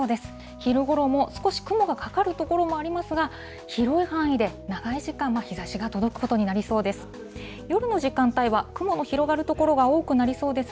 昼ごろも少し雲がかかる所もありますが、広い範囲で、長い時間、日ざしが届くことになりそうです。